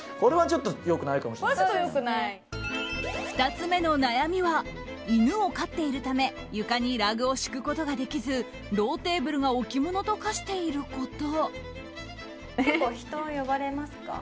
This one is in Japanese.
２つ目の悩みは犬を飼っているため床にラグを敷くことができずローテーブルが置き物と化していること。